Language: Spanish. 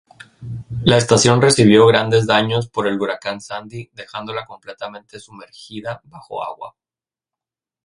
La estación recibió grandes daños por el Huracán Sandy, dejándola completamente sumergida bajo agua.